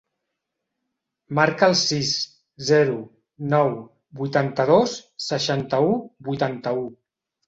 Marca el sis, zero, nou, vuitanta-dos, seixanta-u, vuitanta-u.